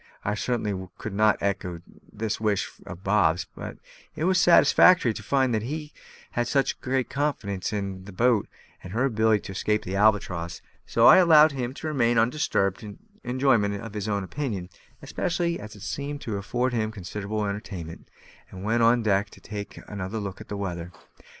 I certainly could not echo this wish of Bob's; but it was satisfactory to find that he had such great confidence in the boat and in her ability to escape from the Albatross, so I allowed him to remain in undisturbed enjoyment of his own opinion, especially as it seemed to afford him considerable entertainment, and went on deck to take another look at the weather.